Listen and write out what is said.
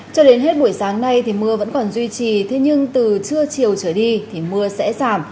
cho đến hết buổi sáng nay thì mưa vẫn còn duy trì thế nhưng từ trưa chiều trở đi thì mưa sẽ giảm